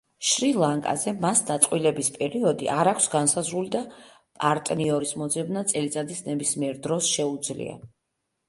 შრი-ლანკაზე მას დაწყვილების პერიოდი არ აქვს განსაზღვრული და პარტნიორის მოძებნა წელიწადის ნებისმიერ დროს შეუძლია.